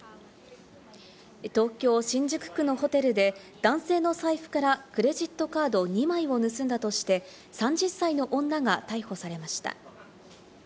東京・新宿区のホテルで男性の財布からクレジットカード２枚を盗んだとして３０歳の女が逮捕されました。